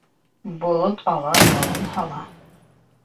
Болот ала. яуын һала.